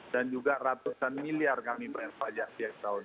dan juga ratusan miliar kami bayar bayar setiap tahun